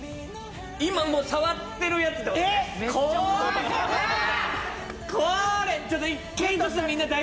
今もう触ってるやつだよねあ！